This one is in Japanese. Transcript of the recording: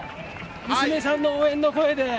娘さんの応援の声で。